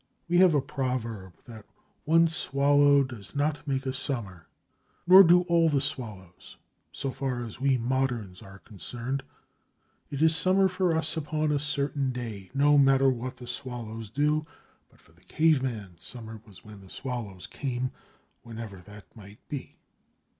We have a proverb that one swallow does not make a summer; no, nor do all the swallows, so far as we moderns are concerned. It is summer for us upon a certain day, no matter what the swallows do, but for the caveman, summer was when the swallows came, whenever that might be.